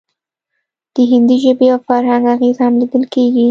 د هندي ژبې او فرهنګ اغیز هم لیدل کیږي